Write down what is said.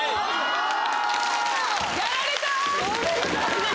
やられた！